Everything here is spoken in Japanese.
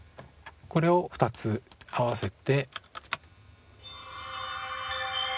これを２つ合わせて。